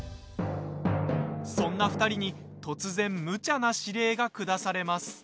そんな２人に突然むちゃな指令が下されます。